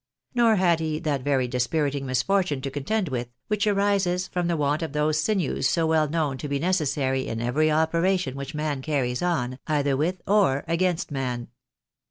Nor had he that very dispiriting misfortune to contend with, which arises from the want of those sinews so well known to be necessary in every operation which man carries on, either with or against man.